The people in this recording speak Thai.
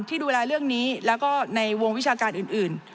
ที่ดูแลเรื่องนี้แล้วก็ในวงวิชาการอื่น